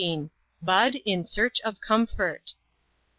BUD IN SEARCH OF COMFOKT.